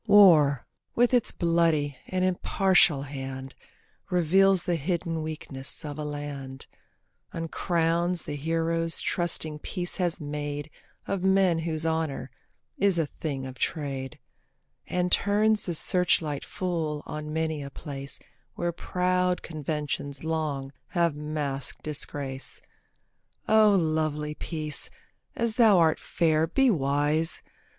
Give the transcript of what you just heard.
War, with its bloody and impartial hand, Reveals the hidden weakness of a land, Uncrowns the heroes trusting Peace has made Of men whose honour is a thing of trade, And turns the searchlight full on many a place Where proud conventions long have masked disgrace. O lovely Peace! as thou art fair be wise.